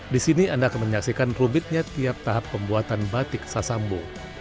di sini anda akan menyaksikan rubitnya tiap tahap pembuatan batik sasambu